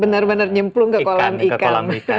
benar benar nyemplung ke kolam ikan